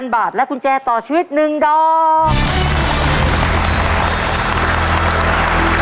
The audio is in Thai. ๕๐๐๐บาทและกุญแจต่อชีวิตหนึ่งดอม